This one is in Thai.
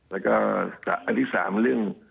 แล้วก็อันที่๓เรื่อง